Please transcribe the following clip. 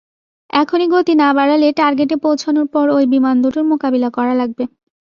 এখনই গতি না বাড়ালে, টার্গেটে পৌঁছানোর পর ঐ বিমান দুটোর মোকাবিলা করা লাগবে।